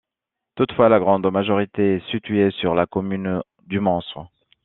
Toutefois, la grande majorité est situé sur la commune du Mans.